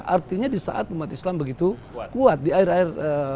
artinya di saat umat islam begitu kuat di air air